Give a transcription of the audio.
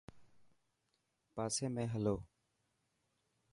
پاسي ۾ هلو.